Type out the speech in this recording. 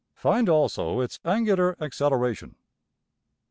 Find also its angular acceleration.